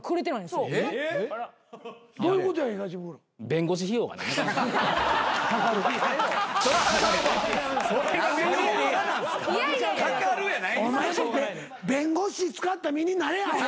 弁護士使った身になれアホ！